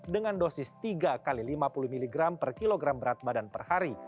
dengan dosis tiga x lima puluh mg per kilogram berat badan per hari